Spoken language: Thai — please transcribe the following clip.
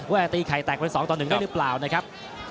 ว่าจะตีไข่แตกเป็น๒ต่อ๑ได้หรือเปล่านะครับ